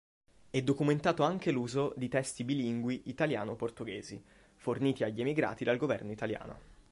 È documentato anche l'uso di testi bilingui italiano-portoghesi, forniti agli emigrati dal governo italiano.